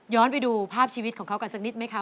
ไปดูภาพชีวิตของเขากันสักนิดไหมคะ